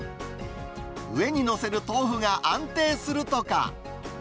上に載せる豆腐が安定するとか。